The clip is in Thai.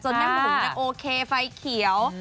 จนให้ผมโอเคไฟเขียว